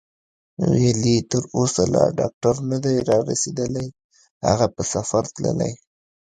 ویل یې: تر اوسه لا ډاکټر نه دی رارسېدلی، هغه په سفر تللی.